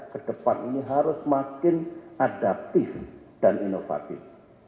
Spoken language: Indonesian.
ke depan ini harus makin adaptif dan inovatif